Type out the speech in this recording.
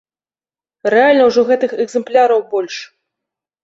Рэальна ўжо гэтых экземпляраў больш.